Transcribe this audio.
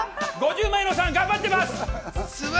５０前のおじさんが頑張っています。